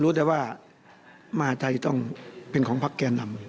รู้แต่ว่ามาธัยต้องเป็นของภักดิ์แกนดำ